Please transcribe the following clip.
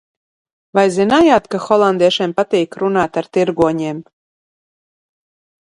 Vai zinājāt, ka holandiešiem patīk runāt ar tirgoņiem?